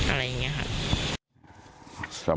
อะไรอย่างเงี้ยครับ